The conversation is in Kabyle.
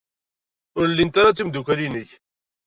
Ur llint ara d timeddukal-nnek?